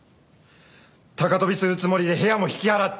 高飛びするつもりで部屋も引き払った。